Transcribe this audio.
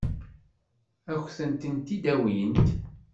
Ad k-tent-id-awint?